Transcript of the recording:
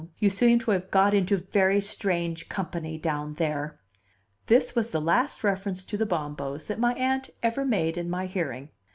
You seem to have got into very strange company down there." This was the last reference to the Bombos that my Aunt ever made in my hearing.